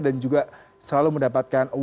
dan juga selalu mendapatkan award terbaik